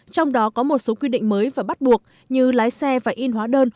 trong đó có một số quy định mới và bắt buộc như lái xe phải in hóa đơn